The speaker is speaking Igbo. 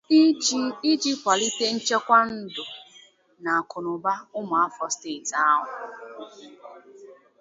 iji kwalite nchekwa ndụ na akụnụba ụmụafọ steeti ahụ